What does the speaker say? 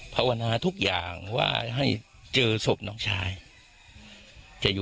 ภาวนาทุกอย่างให้เจอศบน้องชาย